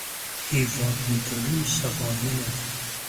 هیواد مې د روڼ سبا هیله ده